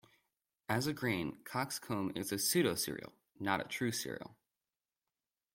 As a grain, Cockscomb is a pseudo-cereal, not a true cereal.